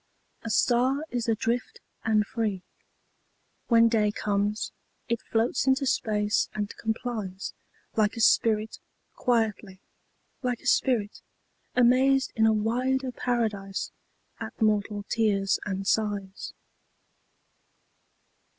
A star is adrift and free. When day comes, it floats into space and com plies ; Like a spirit quietly, Like a spirit, amazed in a wider paradise At mortal tears and sighs.